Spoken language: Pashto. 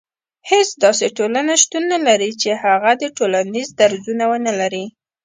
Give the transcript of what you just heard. هيڅ داسي ټولنه شتون نه لري چي هغه دي ټولنيز درځونه ونلري